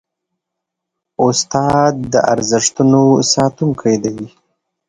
استاد د ارزښتونو ساتونکی دی.